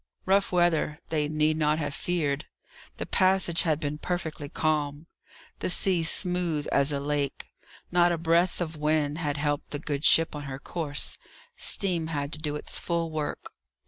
Rough weather they need not have feared. The passage had been perfectly calm; the sea smooth as a lake; not a breath of wind had helped the good ship on her course; steam had to do its full work.